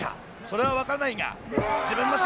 それは分からないが自分の。